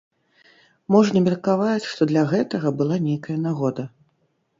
Можна меркаваць, што для гэтага была нейкая нагода.